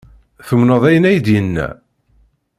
Tumneḍ ayen ay d-yenna?